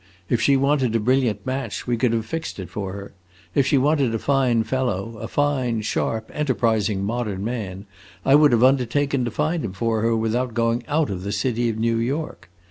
If she wanted a brilliant match we could have fixed it for her. If she wanted a fine fellow a fine, sharp, enterprising modern man I would have undertaken to find him for her without going out of the city of New York.